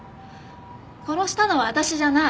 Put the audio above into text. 殺したのは私じゃない。